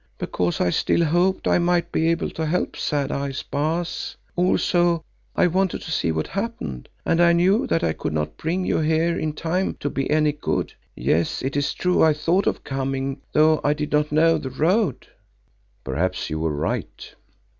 "Because I still hoped I might be able to help Sad Eyes, Baas. Also I wanted to see what happened, and I knew that I could not bring you here in time to be any good. Yet it is true I thought of coming though I did not know the road." "Perhaps you were right."